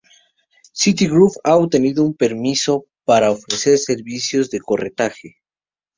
Citigroup ha obtenido un permiso para ofrecer servicios de corretaje.